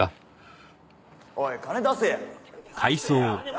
おい金出せよ。